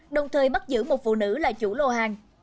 đồng thời bắt giữ một phụ nữ là chủ lô hàng